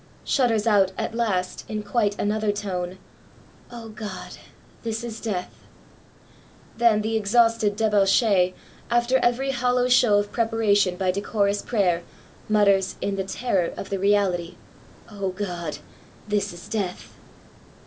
shudders out at last, in quite another tone, ''O God! this is death !" Then the exhausted debauchee, after every hollow show of preparation by decorous prayer, mutters, in the terror of the reality, " O God ! this is death